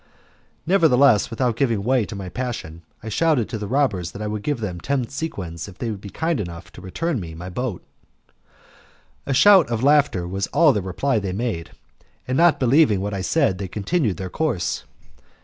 Nevertheless, without giving way to my passion, I shouted to the robbers that I would give them ten sequins if they would be kind enough to return me my boat. A shout of laughter was all the reply they made, and not believing what I said they continued their course.